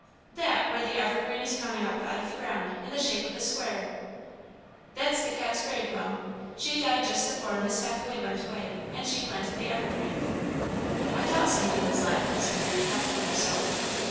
"That where the evergreen is coming up out of the ground, in the shape of a square." "That's the cat's grave, mum. She died jest afore Miss Hathaway went away, and she planted the evergreen." "I thought something was lacking," said Ruth, half to herself.